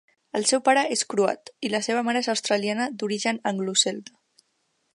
El seu pare és croat i la seva mare és australiana d'origen anglo-celta.